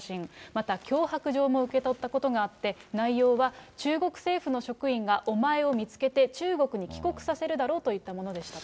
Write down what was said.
また、脅迫状も受け取ったことがあって、内容は、中国政府の職員がお前を見つけて、中国に帰国させるだろうといったものでしたと。